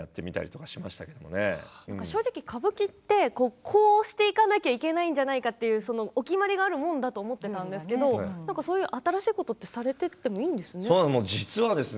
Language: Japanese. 正直、歌舞伎ってこうしていかなきゃいけないんじゃないかというお決まりがあるものだと思っていたんですけど新しいことってされてもいいんですね。